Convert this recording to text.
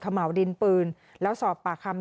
เหมาดินปืนแล้วสอบปากคำ